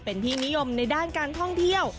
เป็นที่นิยมในด้านการท่องเที่ยว